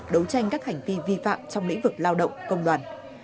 đấu tranh các hành vi vi phạm trong lĩnh vực lao động công đoàn